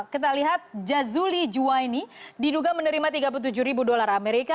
kita lihat jazuli juwaini diduga menerima tiga puluh tujuh ribu dolar amerika